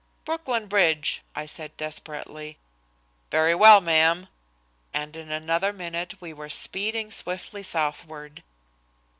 "Brooklyn Bridge," I said desperately. "Very well, ma'am," and in another minute we were speeding swiftly southward.